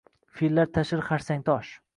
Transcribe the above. Fillar tashir xarsangtosh.